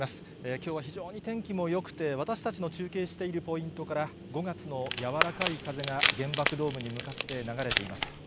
きょうは非常に天気もよくて、私たちの中継しているポイントから、５月のやわらかい風が、原爆ドームに向かって流れています。